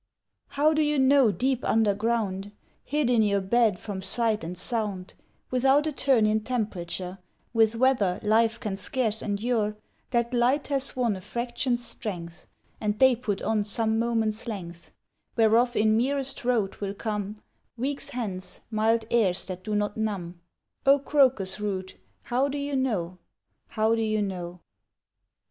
How do you know, deep underground, Hid in your bed from sight and sound, Without a turn in temperature, With weather life can scarce endure, That light has won a fraction's strength, And day put on some moments' length, Whereof in merest rote will come, Weeks hence, mild airs that do not numb; O crocus root, how do you know, How do you know?